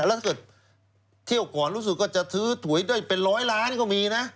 แล้วถ้าเที่ยวก่อนรู้สึกก็จะถือถ่วยด้วยเป็น๑๐๐ล้านก็มีนะ